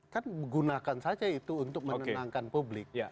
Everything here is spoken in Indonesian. kan gunakan saja itu untuk menenangkan publik